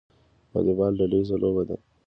والیبال ډله ییزه لوبه ده